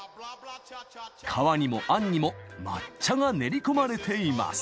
皮にも餡にも抹茶が練り込まれています